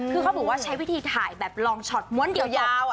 คือเขาบอกว่าใช้วิธีถ่ายแบบลองช็อตม้วนยาว